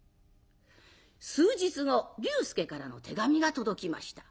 数日後龍介からの手紙が届きました。